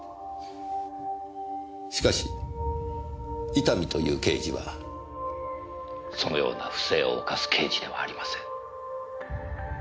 しかし伊丹という刑事はそのような不正を犯す刑事ではありません。